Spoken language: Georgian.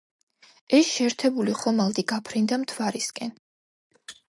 ეს შეერთებული ხომალდი გაფრინდა მთვარისკენ.